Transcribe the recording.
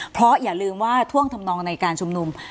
เพราะอย่าลืมว่าท่วงทำนองในการชุมนุม